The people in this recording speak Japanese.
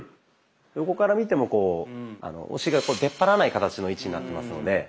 横から見てもお尻が出っ張らない形の位置になってますので。